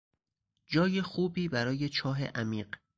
جای خوبی برای چاه عمیق